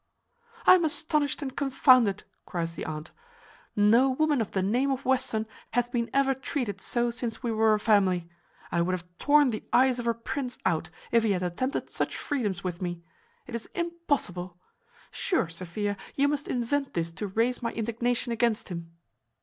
"I am astonished and confounded," cries the aunt. "No woman of the name of Western hath been ever treated so since we were a family. I would have torn the eyes of a prince out, if he had attempted such freedoms with me. It is impossible! sure, Sophia, you must invent this to raise my indignation against him."